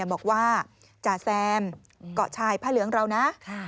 บอกว่าจ่าแซมเกาะชายผ้าเหลืองเรานะ